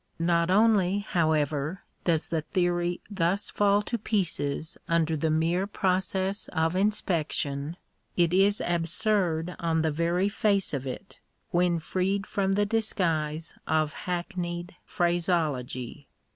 Not only, however, does the theory thus fall to pieces under the mere process of inspection ; it is absurd on the very face of it, when freed from the disguise of hackneyed phraseology.